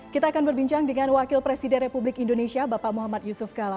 kita akan berbincang dengan wakil presiden republik indonesia bapak muhammad yusuf kala